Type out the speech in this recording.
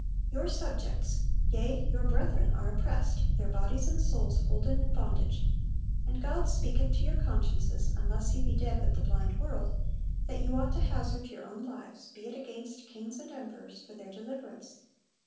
'Your subjects, yea, your brethren, are oppressed, their bodies and souls holden in bondage; and God speaketh to your consciences (unless ye be dead with the blind world) that you ought to hazard your own lives (be it against kings and emperors) for their deliverance.